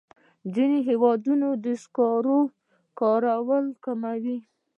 ځینې هېوادونه د سکرو کارول کموي.